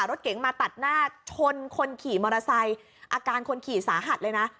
รถเก๋งมาตัดหน้าชนคนขี่มอเตอร์ไซค์อาการคนขี่สาหัสเลยนะ